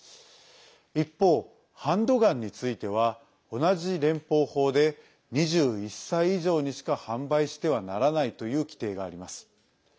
一方、ハンドガンについては同じ連邦法で、２１歳以上にしか販売してはならないという規定があります。